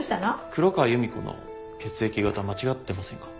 黒川由美子の血液型間違ってませんか？